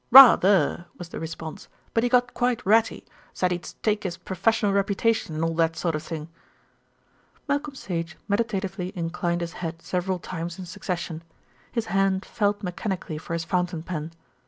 "Ra ther," was the response, "but he got quite ratty. Said he'd stake his professional reputation and all that sort of thing." Malcolm Sage meditatively inclined his head several times in succession; his hand felt mechanically for his fountain pen.